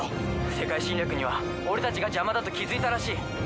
世界侵略には俺たちが邪魔だと気付いたらしい。